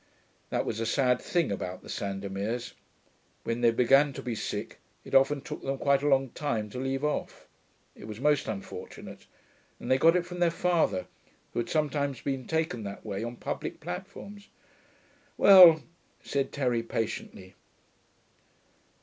That was a sad thing about the Sandomirs: when they began to be sick it often took them quite a long time to leave off. It was most unfortunate, and they got it from their father, who had sometimes been taken that way on public platforms. 'Well,' said Terry patiently.